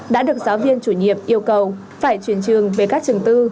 đã được giáo viên chủ nhiệm yêu cầu phải chuyển trường về các trường tư